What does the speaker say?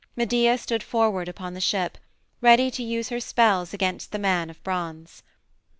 Medea stood forward upon the ship, ready to use her spells against the man of bronze.